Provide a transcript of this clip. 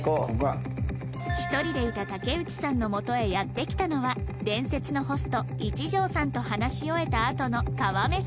１人でいた竹内さんの元へやって来たのは伝説のホスト一条さんと話し終えたあとの川目さん